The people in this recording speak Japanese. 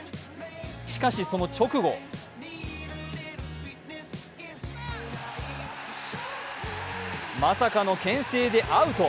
しかしその直後まさかのけん制でアウト。